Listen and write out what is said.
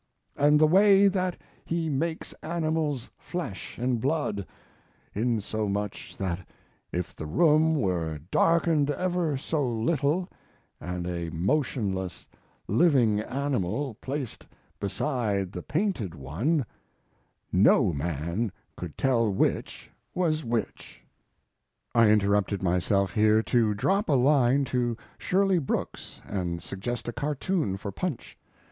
And the way that he makes animals' flesh and blood, insomuch that if the room were darkened ever so little, and a motionless living animal placed beside the painted one, no man could tell which was which. I interrupted myself here, to drop a line to Shirley Brooks and suggest a cartoon for Punch.